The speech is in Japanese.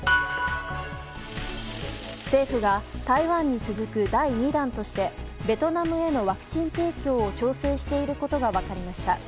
政府が台湾に続く第２弾としてベトナムへのワクチン提供を調整していることが分かりました。